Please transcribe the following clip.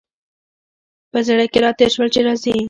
په زړه کي را تېر شول چي راځي !